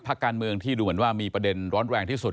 การเมืองที่ดูเหมือนว่ามีประเด็นร้อนแรงที่สุด